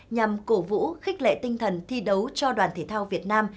nhằm cổ vũ khích lệ tinh thần thi đấu cho đoàn thể thao việt nam